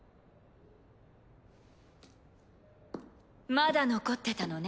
まだ残ってたのね